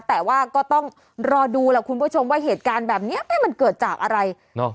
แต่ว่าก็ต้องรอดูล่ะคุณผู้ชมว่าเหตุการณ์แบบนี้มันเกิดจากอะไร